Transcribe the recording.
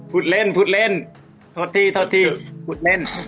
พูดเล่นพูดเล่นโทษทีโทษทีพูดเล่น